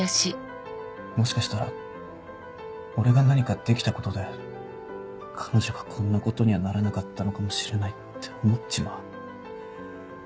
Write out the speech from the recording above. もしかしたら俺が何かできたことで彼女がこんなことにはならなかったのかもしれないって思っちまう。